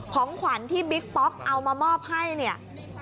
ของขวัญที่บิ๊กป๊อกเอามามอบให้เนี่ย